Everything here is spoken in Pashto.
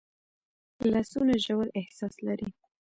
لاسونه ژور احساس لري